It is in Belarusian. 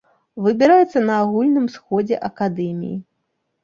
Выбіраецца на агульным сходзе акадэміі.